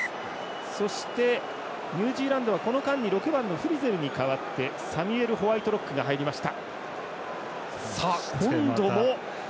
そして、ニュージーランドはこの間に６番のフリゼルに代わってサミュエル・ホワイトロックが入りました。